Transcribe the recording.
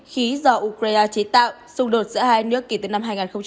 khí do ukraine chế tạo xung đột giữa hai nước kể từ năm hai nghìn một mươi